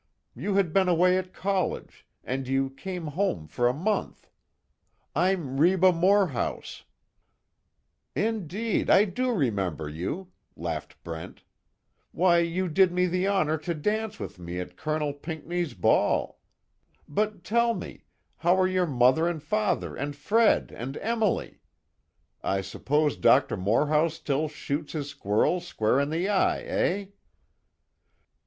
You had been away at college, and you came home for a month. I'm Reba Moorhouse " "Indeed I do remember you," laughed Brent, "Why you did me the honor to dance with me at Colonel Pinkney's ball. But, tell me, how are your mother and father and Fred and Emily? I suppose Doctor Moorhouse still shoots his squirrels square in the eye, eh!"